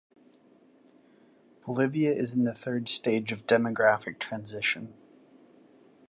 Bolivia is in the third stage of demographic transition.